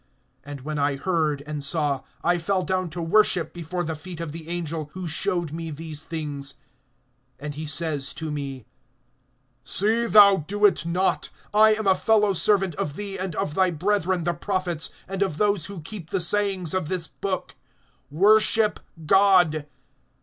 And when I heard and saw, I fell down to worship before the feet of the angel, who showed me these things. (9)And he says to me: See thou do it not. I am a fellow servant of thee and of thy brethren the prophets, and of those who keep the sayings of this book; worship God.